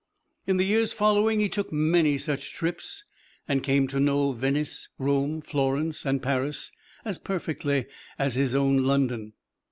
In the years following he took many such trips, and came to know Venice, Rome, Florence and Paris as perfectly as his own London.